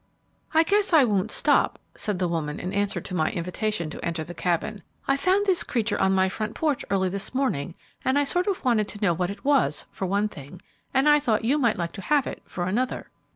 "I guess I won't stop," said the woman in answer to my invitation to enter the Cabin. "I found this creature on my front porch early this morning, and I sort of wanted to know what it was, for one thing, and I thought you might like to have it, for another."